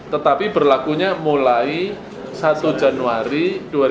tetapi berlakunya mulai satu januari dua ribu dua puluh